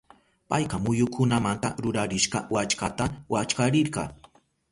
Payka muyukunamanta rurarishka wallkata wallkarirka.